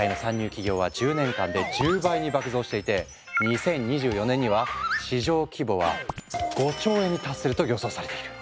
企業は１０年間で１０倍に爆増していて２０２４年には市場規模は５兆円に達すると予想されている。